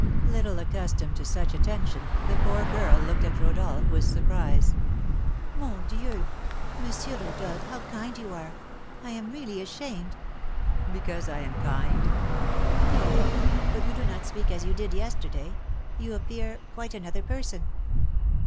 Little accustomed to such attention, the poor girl looked at Rodolph with surprise. "Mon Dieu! M. Rodolph, how kind you are; I am really ashamed " "Because I am kind?" "No; but you do not speak as you did yesterday; you appear quite another person."